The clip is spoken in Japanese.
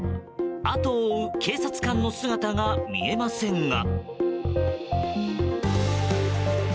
後を追う警察官の姿が見えませんが。